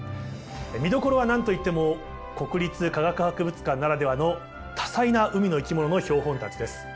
見どころは何と言っても国立科学博物館ならではの多彩な海の生き物の標本たちです。